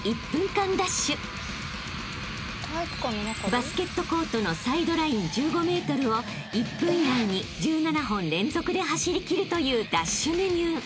［バスケットコートのサイドライン１５ｍを１分以内に１７本連続で走りきるというダッシュメニュー］